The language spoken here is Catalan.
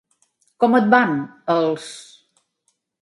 Com et van, els...?